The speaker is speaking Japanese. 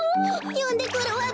よんでくるわべ！